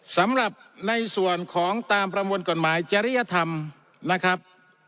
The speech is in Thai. สำหรับในส่วนของตามประมวลกฎหมายจริยธรรมนะครับ